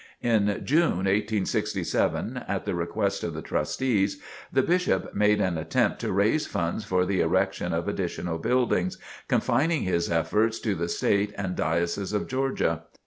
In June, 1867, at the request of the Trustees, the Bishop made an attempt to raise funds for the erection of additional buildings, confining his efforts to the state and Diocese of Georgia.